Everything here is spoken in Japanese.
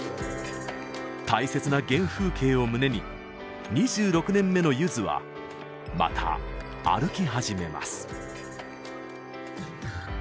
大切な原風景を胸に２６年目のゆずはまた、歩き始めます。